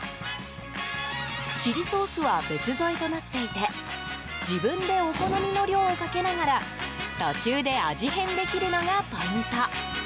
チリソースは別添えとなっていて自分でお好みの量をかけながら途中で味変できるのがポイント。